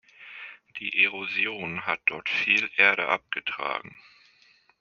Die Erosion hat dort viel Erde abgetragen.